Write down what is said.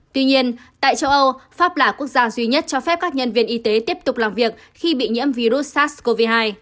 tuy nhiên tại châu âu pháp là quốc gia duy nhất cho phép các nhân viên y tế tiếp tục làm việc khi bị nhiễm virus sars cov hai